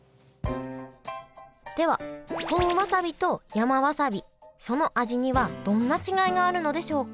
では本わさびと山わさびその味にはどんな違いがあるのでしょうか？